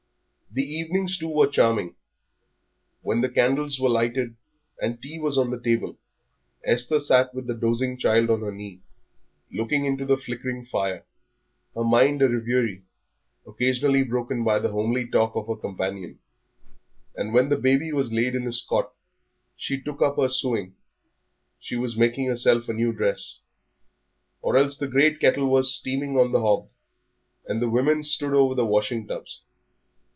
The evenings, too, were charming. When the candles were lighted, and tea was on the table, Esther sat with the dozing child on her knee, looking into the flickering fire, her mind a reverie, occasionally broken by the homely talk of her companion; and when the baby was laid in his cot she took up her sewing she was making herself a new dress; or else the great kettle was steaming on the hob, and the women stood over the washing tubs.